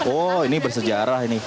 oh ini bersejarah ini